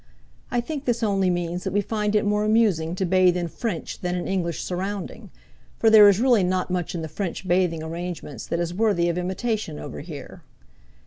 I think this only means that we find it more amusing to bathe in French than in English surrounding, for there is really not much in the French bathing arrangements that is worthy of imitation over here.